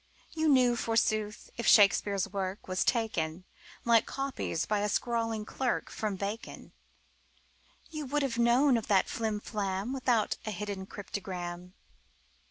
You knew, forsooth, if Shakespeare's work Was taken, Like copies by a scrawling clerk, From Bacon; You would have known of that flimflam Without a hidden cryptogram.